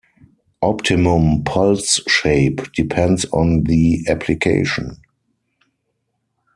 Optimum pulse shape depends on the application.